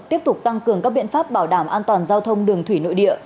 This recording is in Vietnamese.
tiếp tục tăng cường các biện pháp bảo đảm an toàn giao thông đường thủy nội địa